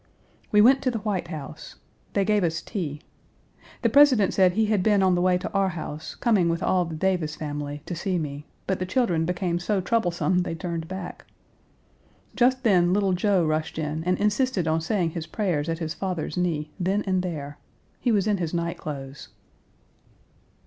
We went to the White House. They gave us tea. The President said he had been on the way to our house, coming with all the Davis family, to see me, but the children became so troublesome they turned back. Just then, little Joe rushed in and insisted on saying his prayers at his father's knee, then and there. He was in his night clothes.